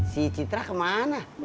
si citra kemana